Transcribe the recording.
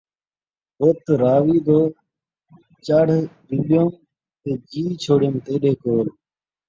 بت راوی دو چڑھ ڄُلیوم تے جی چھوڑیم تیݙے کول